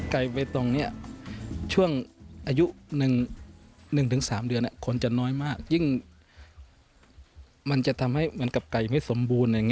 ไก่เบตองเนี้ยช่วงอายุ๑๓เดือนเอะคนน้อยมากยื่อจิ้งจะจะทำด้วยกับไก่ไม้สมบูรณ์แล้วอย่างเหนะ